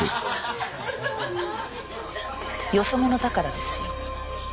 よそ者だからですよ。